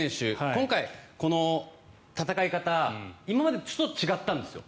今回、この戦い方今までとちょっと違ったんですよ